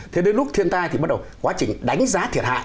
thế đến lúc thiên tai thì bắt đầu quá trình đánh giá thiệt hại